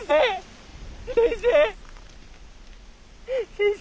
先生。